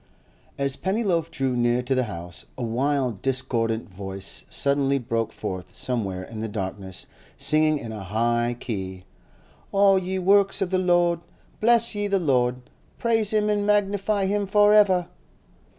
As Pennyloaf drew near to the house, a wild, discordant voice suddenly broke forth somewhere in the darkness, singing in a high key, 'All ye works of the Lord, bless ye the Lord, praise Him and magnify Him for ever!